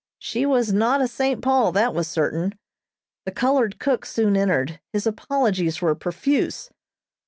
She was not a "St. Paul," that was certain. The colored cook soon entered. His apologies were profuse.